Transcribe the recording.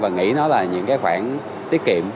và nghĩ nó là những cái khoản tiết kiệm